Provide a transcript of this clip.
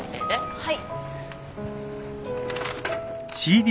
はい。